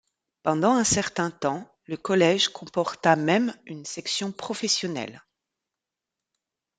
Pendant un certain temps, le collège comporta même une section professionnelle.